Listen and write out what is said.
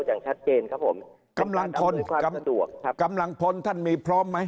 อย่างชัดเจนครับผมกำลังพลตำรวจครับกำลังพลท่านมีพร้อมไหม